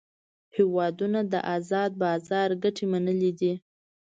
هیوادونو د آزاد بازار ګټې منلې دي